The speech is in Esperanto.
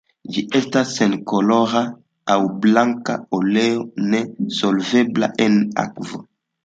Ĝi estas senkolora aŭ blanka oleo, ne solvebla en akvo.